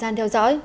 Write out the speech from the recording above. bà yên tâm